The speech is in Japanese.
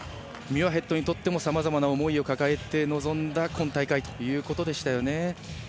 ミュアヘッドにとってもさまざまな思いを抱えて臨んだ今大会ということでしたね。